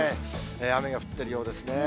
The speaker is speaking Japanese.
雨が降ってるようですね。